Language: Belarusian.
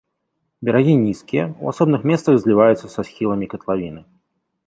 Берагі нізкія, у асобных месцах зліваюцца са схіламі катлавіны.